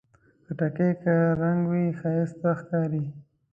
خټکی که رنګه وي، ښایسته ښکاري.